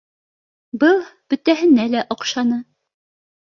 Был бөтәһенә лә оҡшаны